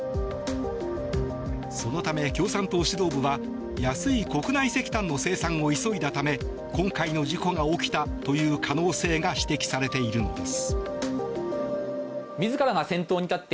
そのため、共産党指導部は安い国内石炭の生産を急いだため今回の事故が起きたという可能性が指摘されているのです。